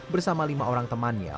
bersama lima orang temannya